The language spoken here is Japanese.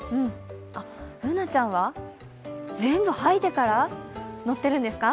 Ｂｏｏｎａちゃんは、全部はいてから乗ってるんですか。